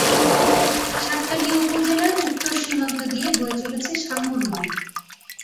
সাতকানিয়া উপজেলার উত্তর সীমান্ত দিয়ে বয়ে চলেছে সাঙ্গু নদী।